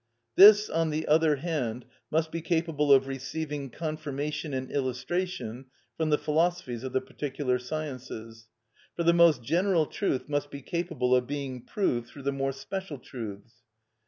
This, on the other hand, must be capable of receiving confirmation and illustration from the philosophies of the particular sciences; for the most general truth must be capable of being proved through the more special truths.